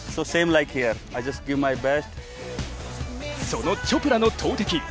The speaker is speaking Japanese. そのチョプラの投てき。